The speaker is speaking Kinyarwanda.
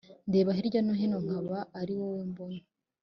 ndeba hirya hino nkaba ari wowe mbona